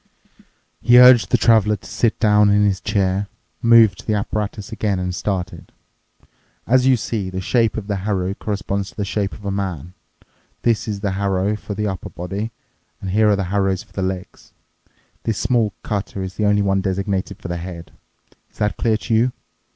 He urged the traveler to sit down in his chair, moved to the apparatus again, and started, "As you see, the shape of the harrow corresponds to the shape of a man. This is the harrow for the upper body, and here are the harrows for the legs. This small cutter is the only one designated for the head. Is that clear to you?"